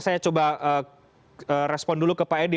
saya coba respon dulu ke pak edi